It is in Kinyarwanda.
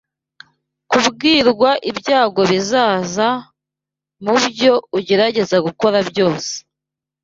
kubwirwa ibyago bizaza, mu byo ugerageza gukora byose.